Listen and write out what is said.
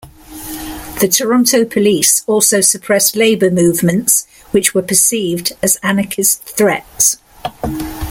The Toronto Police also suppressed labour movements which were perceived as anarchist threats.